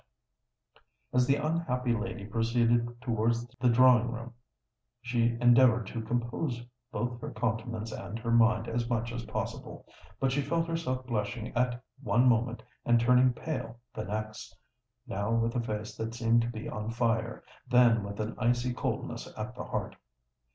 As the unhappy lady proceeded towards the drawing room, she endeavoured to compose both her countenance and her mind as much as possible: but she felt herself blushing at one moment and turning pale the next,—now with a face that seemed to be on fire—then with an icy coldness at the heart.